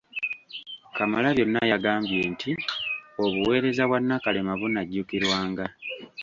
Kamalabyonna yagambye nti obuweereza bwa Nakalema bunajjukirwanga.